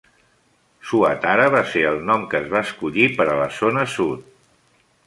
"Swatara" va ser el nom que es va escollir per a la zona sud.